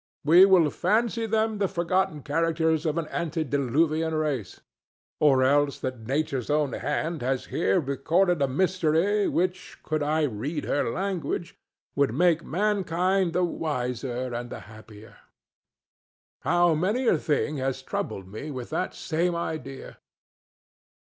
We will fancy them the forgotten characters of an antediluvian race, or else that Nature's own hand has here recorded a mystery which, could I read her language, would make mankind the wiser and the happier. How many a thing has troubled me with that same idea!